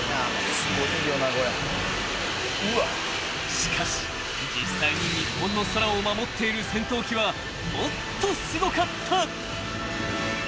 ［しかし実際に日本の空を守っている戦闘機はもっとすごかった］